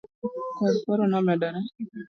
koth koro nomedore